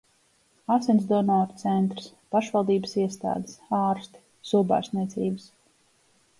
Asinsdonoru centrs. pašvaldības iestādes. ārsti. zobārstniecības...